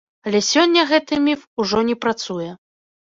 Але сёння гэта міф ужо не працуе.